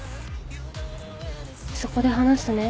そこで話すね。